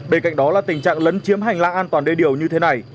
đề cạnh đó là tình trạng lấn chiếm hành lãng an toàn đê điều như thế này